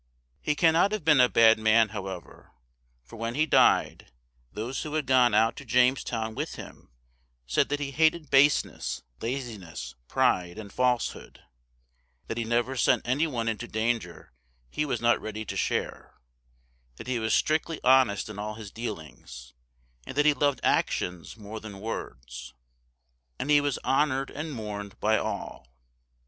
He cannot have been a bad man, however, for when he died, those who had gone out to Jamestown with him said that he hated baseness, laziness, pride, and falsehood; that he never sent any one into a danger he was not ready to share; that he was strictly honest in all his dealings; and that he loved actions more than words; and he was honored and mourned by all.